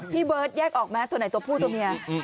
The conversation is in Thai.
พี่เบิร์ตแยกออกไหมตัวไหนตัวผู้ตัวเมีย